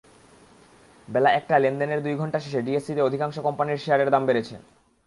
বেলা একটায় লেনদেনের দুই ঘণ্টা শেষে ডিএসইতে অধিকাংশ কোম্পানির শেয়ারের দাম বেড়েছে।